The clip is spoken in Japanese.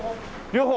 両方？